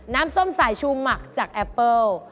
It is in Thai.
น้ำส้มสายชูหมักจากแอปเปิ้ล